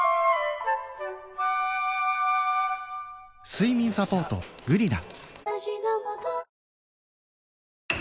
睡眠サポート「グリナ」